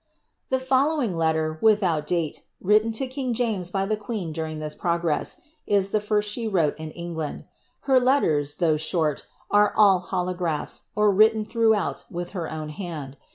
The following letter, without date, written to king James by the queen during this progress, is the first she wrote in England. Her let ters, thouffh short, are all holographs, or written throughout with her own hand.